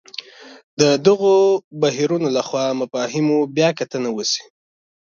د دغو بهیرونو له خوا مفاهیمو بیا کتنه وشي.